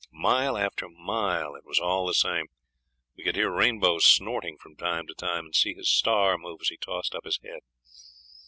Mile after mile it was all the same; we could hear Rainbow snorting from time to time and see his star move as he tossed up his head.